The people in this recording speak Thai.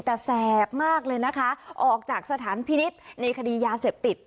แต่แสบมากเลยนะคะออกจากสถานพินิษฐ์ในคดียาเสพติด